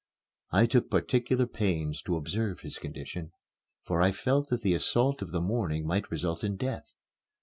I took particular pains to observe his condition, for I felt that the assault of the morning might result in death.